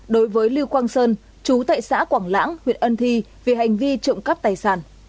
đối với lưu quang sơn chú tại xã quảng lãng huyện ân thi về hành vi trộm cắp tài sản